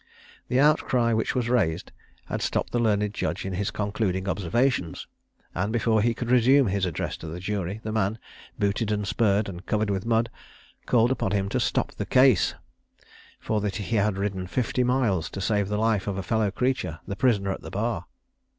The outcry which was raised had stopped the learned judge in his concluding observations, and before he could resume his address to the jury, the man, booted and spurred, and covered with mud, called upon him to "stop the case, for that he had ridden fifty miles to save the life of a fellow creature the prisoner at the bar."